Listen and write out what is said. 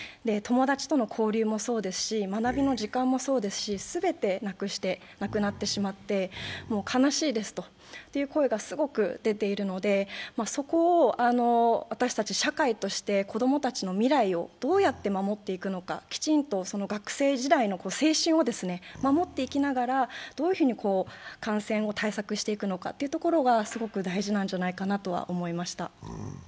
友達との交流もそうですし、学びの時間もそうですし、全てなくなってしまって、悲しいですという声がすごく出ているので、そこを私たち社会として子供たちの未来をどうやって守っていくのか、きちんと学生時代の青春を守っていきながら、どういうふうに感染を対策していくのかというところがすごく大事なんじゃないかと思いました。